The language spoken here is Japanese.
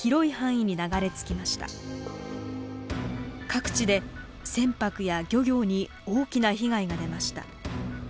各地で船舶や漁業に大きな被害が出ました。